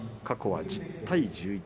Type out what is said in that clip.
過去は１０対１１。